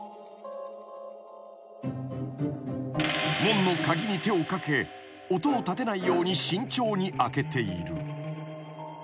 ［門の鍵に手を掛け音を立てないように慎重に］